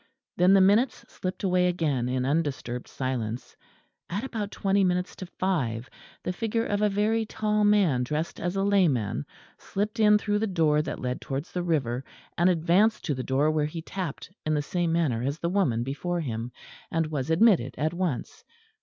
Then the minutes slipped away again in undisturbed silence. At about twenty minutes to five the figure of a very tall man dressed as a layman slipped in through the door that led towards the river, and advanced to the door where he tapped in the same manner as the woman before him, and was admitted at once.